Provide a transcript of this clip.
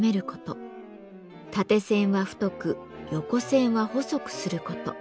縦線は太く横線は細くする事。